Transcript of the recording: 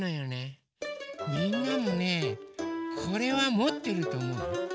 みんなもねこれはもってるとおもうよ。